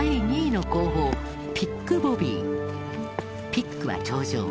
「ピック」は「頂上」